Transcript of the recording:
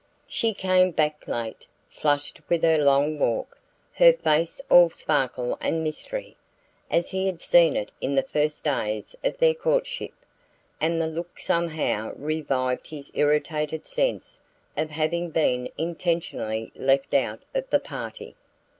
She came back late, flushed with her long walk, her face all sparkle and mystery, as he had seen it in the first days of their courtship; and the look somehow revived his irritated sense of having been intentionally left out of the party.